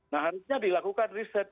nah harusnya dilakukan riset